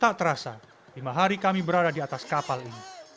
tak terasa lima hari kami berada di atas kapal ini